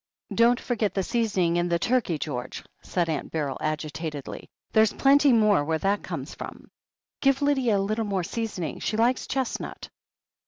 "Don't forget the seasoning in the turkey, George," said Aunt Beryl agitatedly. "There's plenty more where that comes from. Give Lydia a little more sea soning — she likes chestnut.